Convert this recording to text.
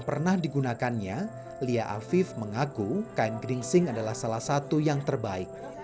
pernah digunakannya lia afif mengaku kain geringsing adalah salah satu yang terbaik